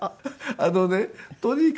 あのねとにかくね